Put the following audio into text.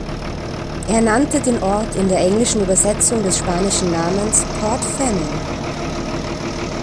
Er nannte den Ort, in der englischen Übersetzung des spanischen Namens, "Port Famine".